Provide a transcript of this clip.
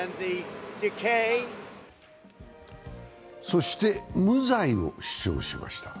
そして無罪を主張しました。